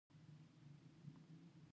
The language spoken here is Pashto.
جانداد د ښو خبرو خزانه ده.